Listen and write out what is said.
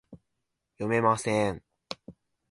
此处贡献的语句将被添加到采用许可证的公开数据集中。